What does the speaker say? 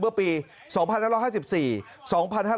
เรื่องนี้นะครับพันธบทเอก